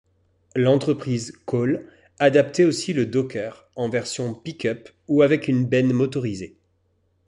L'entreprise Kolle adaptait aussi le Dokker en version pick-up ou avec une benne motorisée.